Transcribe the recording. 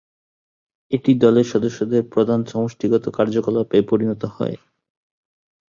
এটি দলের সদস্যদের প্রধান সমষ্টিগত কার্যকলাপে পরিণত হয়।